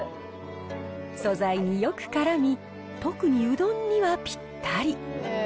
素材によくからみ、特にうどんにはぴったり。